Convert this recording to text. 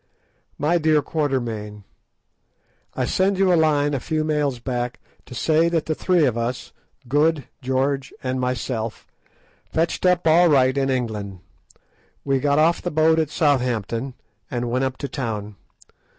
My Dear Quatermain, I send you a line a few mails back to say that the three of us, George, Good, and myself, fetched up all right in England. We got off the boat at Southampton, and went up to town.